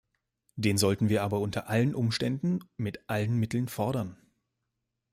Den sollten wir aber unter allen Umständen mit allen Mitteln fordern.